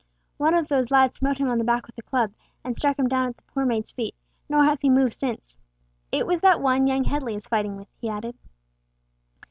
"One of those lads smote him on the back with a club, and struck him down at the poor maid's feet, nor hath he moved since. It was that one young Headley is fighting with," he added.